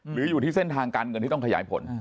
หรืออยู่ที่เส้นทางการเงินที่ต้องขยายผล